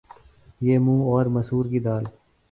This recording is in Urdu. یہ منھ اور مسور کی دال